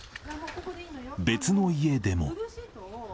別の家でも。